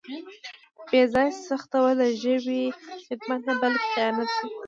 بې ځایه سختول د ژبې خدمت نه بلکې خیانت دی.